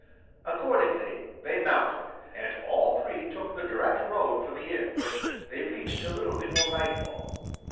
Accordingly they mounted and all three took the direct road for the inn, which they reached a little before nightfall.